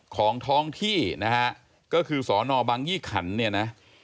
ของท้องที่นะฮะก็คือสอนอบังยี่ขันเนี่ยนะ